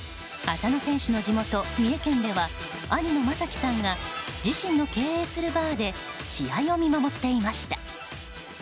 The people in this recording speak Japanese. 浅野選手の地元・三重県では兄の将輝さんが自身の経営するバーで試合を見守っていました。